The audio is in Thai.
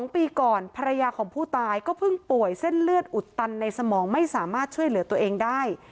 ๒ปีก่อนภรรยาของผู้ตายก็เพิ่งป่วยเส้นเลือดอุดตันในสมองไม่สามารถช่วยเหลือตัวเองได้